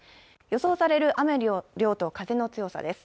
予想される雨の量と風の強さです。